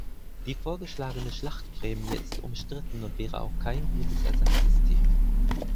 Die vorgeschlagene Schlachtprämie ist umstritten und wäre auch kein gutes Ersatzsystem.